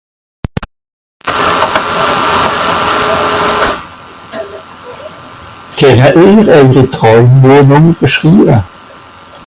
kenne eir eijeri traumwohnùng beschrieve